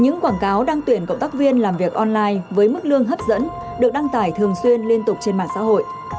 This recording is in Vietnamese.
những quảng cáo đang tuyển cộng tác viên làm việc online với mức lương hấp dẫn được đăng tải thường xuyên liên tục trên mạng xã hội